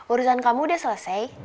urusan kamu udah selesai